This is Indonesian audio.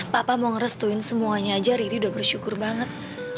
papa mau ngerestuin semuanya aja riri udah bersyukur banget